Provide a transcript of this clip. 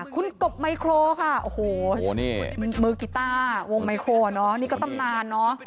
คุณกบไมโครค่ะโอ้โหนี่มือกีต้าวงไมโครเนอะนี่ก็ตำนานเนอะ